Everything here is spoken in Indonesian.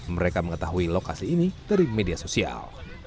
mereka mengetahui lokasi ini dari media sosial